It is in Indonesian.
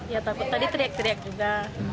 ya takut tadi teriak teriak juga